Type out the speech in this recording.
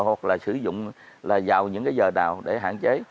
hoặc là sử dụng là vào những cái giờ nào để hạn chế